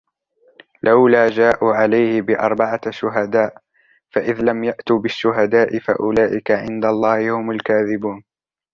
لولا جاءوا عليه بأربعة شهداء فإذ لم يأتوا بالشهداء فأولئك عند الله هم الكاذبون